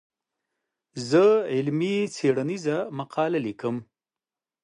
زه علمي څېړنيزه مقاله ليکم.